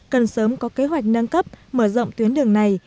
cần sớm có kế hoạch nâng cấp mở rộng tuyến đường này